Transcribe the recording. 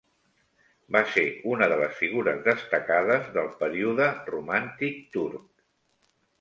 Va ser una de les figures destacades del període romàntic turc.